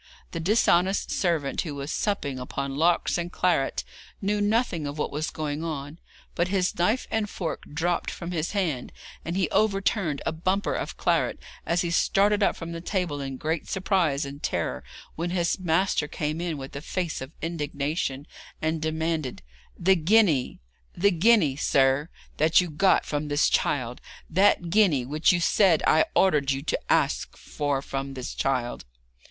The dishonest servant who was supping upon larks and claret, knew nothing of what was going on; but his knife and fork dropped from his hand, and he overturned a bumper of claret as he started up from the table in great surprise and terror, when his master came in with a face of indignation, and demanded, 'The guinea the guinea, sir, that you got from this child! that guinea which you said I ordered you to ask for from this child!'